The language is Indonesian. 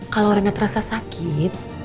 kalau rena terasa sakit